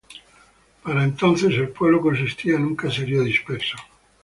Para entonces, el pueblo consistía en un caserío disperso.